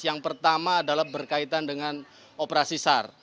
yang pertama adalah berkaitan dengan operasi sar